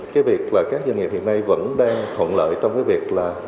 cái việc là các doanh nghiệp hiện nay vẫn đang thuận lợi trong cái việc là